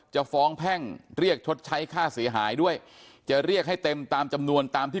จะฟ้องแพ่งเรียกชดใช้ค่าเสียหายด้วยจะเรียกให้เต็มตามจำนวนตามที่